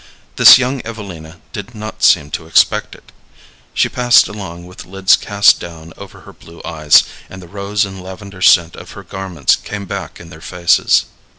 This young Evelina did not seem to expect it. She passed along with the lids cast down over her blue eyes, and the rose and lavender scent of her garments came back in their faces.